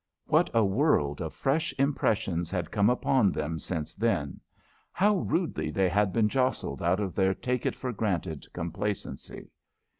What a world of fresh impressions had come upon them since then! How rudely they had been jostled out of their take it for granted complacency!